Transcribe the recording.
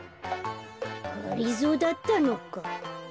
がりぞーだったのか。